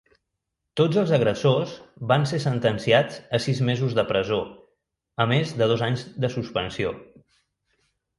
Tots els agressors van ser sentenciats a sis mesos de presó, a més de dos anys de suspensió.